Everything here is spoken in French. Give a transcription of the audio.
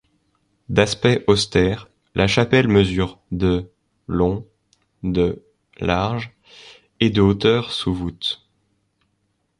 D'aspect austère, la chapelle mesure de long, de large et de hauteur sous voute.